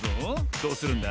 どうするんだ？